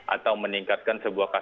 atau meningkatkan sebuah kasus